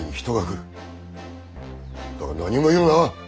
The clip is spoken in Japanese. だが何も言うな！